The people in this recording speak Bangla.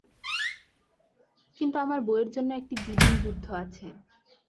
কিন্তু আমার বইয়ের জন্য একটি বিডিং যুদ্ধ আছে।